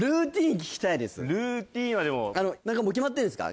ルーティンはでも何かもう決まってんですか？